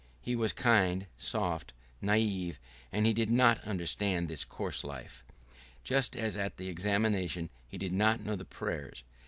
He was kind, soft, naive, and he did not understand this coarse life, just as at the examination he did not know the prayers.